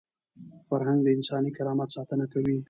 فرهنګ د انساني کرامت ساتنه کوي.